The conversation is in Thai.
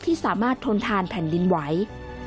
ที่สามารถทนทานแผ่นดินไหว